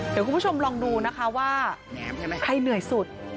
เดี๋ยวคุณผู้ชมลองดูนะคะว่าใครเหนื่อยสุด